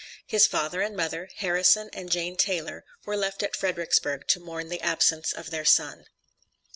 His father and mother, Harrison and Jane Taylor, were left at Fredericksburg to mourn the absence of their son.